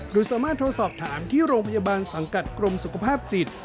สามารถโทรสอบถามที่โรงพยาบาลสังกัดกรมสุขภาพจิต